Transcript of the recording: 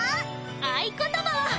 合言葉は！